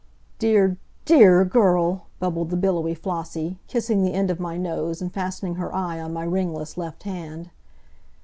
"Dear, DEAR girl!" bubbled the billowy Flossie, kissing the end of my nose and fastening her eye on my ringless left hand.